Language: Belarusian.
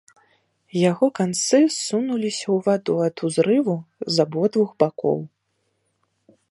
Яго канцы ссунуліся ў ваду ад узрыву з абодвух бакоў.